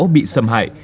bị xâm hải